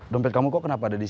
dompetnya sudah kembali